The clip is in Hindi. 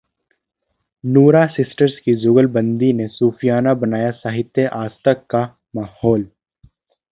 नूरां सिस्टर्स की जुगलबंदी ने सूफियाना बनाया साहित्य आजतक का माहौल